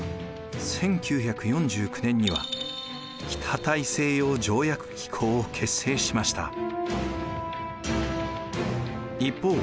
１９４９年には北大西洋条約機構を結成しました。